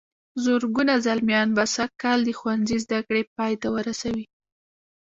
زرګونه زلميان به سږ کال د ښوونځي زدهکړې پای ته ورسوي.